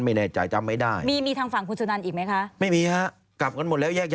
มีทางฝั่งคุณชุนานอีกมั้ยคะ